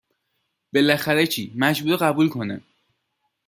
بالاخره چی مجبوره قبول کنه